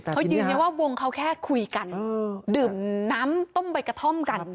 เขายืนยันว่าวงเขาแค่คุยกันดื่มน้ำต้มใบกระท่อมกัน